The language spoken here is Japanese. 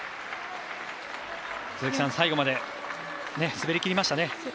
最後まで滑りきりましたね。